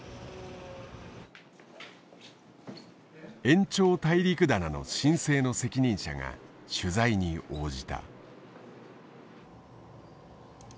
延長大陸棚の申請の責任者が取材に応じた。